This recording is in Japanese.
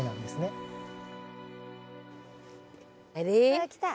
わあ来た。